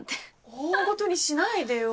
大ごとにしないでよ。